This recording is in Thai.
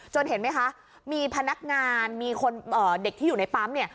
เห็นไหมคะมีพนักงานมีคนเด็กที่อยู่ในปั๊มเนี่ย